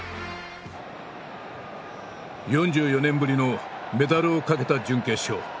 ４４年ぶりのメダルをかけた準決勝。